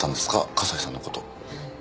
笠井さんの事。